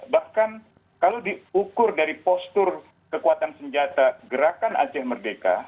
bahkan kalau diukur dari postur kekuatan senjata gerakan aceh merdeka